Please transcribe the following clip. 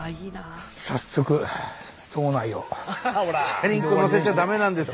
早速島内を。